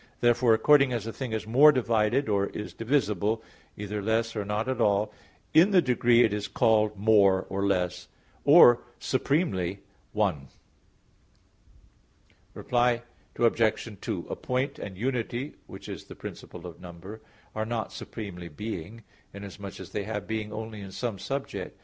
Therefore according as a thing is more divided, or is divisible, either less or not at all, in the degree it is called more, or less, or supremely, one. Reply Obj. 2: A point and unity which is the principle of number, are not supremely being, inasmuch as they have being only in some subject.